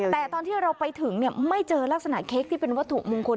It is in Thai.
แต่ตอนที่เราไปถึงไม่เจอลักษณะเค้กที่เป็นวัตถุมงคล